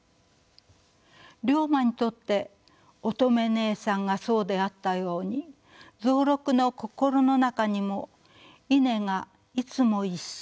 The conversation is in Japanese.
竜馬にとって乙女姉さんがそうであったように蔵六の心の中にもイネがいつも一緒にいました。